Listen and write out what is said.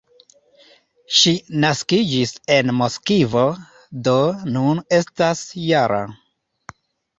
Ŝi naskiĝis en Moskvo, do nun estas -jara.